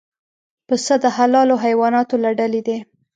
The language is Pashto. پسه د حلالو حیواناتو له ډلې دی.